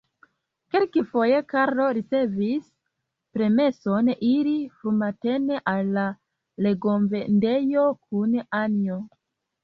Kelkafoje Karlo ricevis permeson iri frumatene al la legomvendejo kun Anjo.